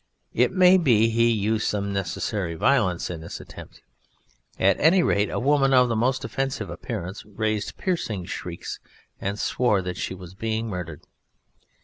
It may be he used some necessary violence in this attempt; at any rate a woman of the most offensive appearance raised piercing shrieks and swore that she was being murdered.